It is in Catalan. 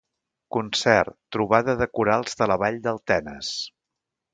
Concert, Trobada de Corals de la Vall del Tenes.